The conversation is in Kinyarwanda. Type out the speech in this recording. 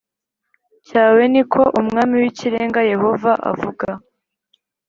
cyawe ni ko Umwami w Ikirenga Yehova avuga